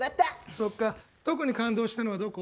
そっか特に感動したのはどこ？